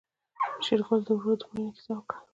شېرګل د ورور د مړينې کيسه وکړه.